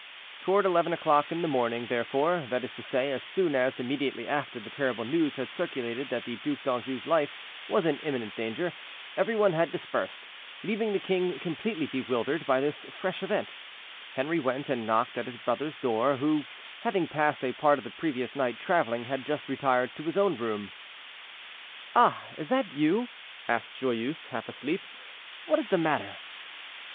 Toward eleven o'clock in the morning, therefore—that is to say, as soon as, immediately after the terrible news had circulated that the Duc d'Anjou's life was in imminent danger, every one had dispersed, leaving the king completely bewildered by this fresh event—Henri went and knocked at his brother's door, who, having passed a part of the previous night traveling, had just retired to his own room. "Ah! is that you?" asked Joyeuse, half asleep; "what is the matter?"